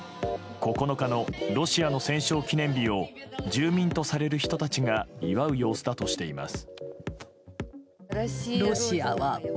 ９日のロシアの戦勝記念日を住民とされる人たちが祝う様子だとしています。